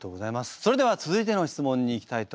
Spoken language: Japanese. それでは続いての質問にいきたいと思います。